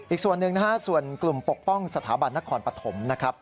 อีกส่วนหนึ่งนะฮะส่วนกลุ่มปกป้องสถาบันนครปฐมนะครับ